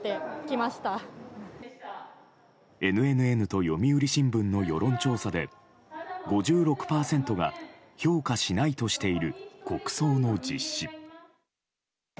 ＮＮＮと読売新聞の世論調査で５６％が評価しないとしている国葬の実施。